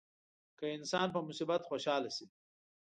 که انسان په مصیبت خوشاله شي.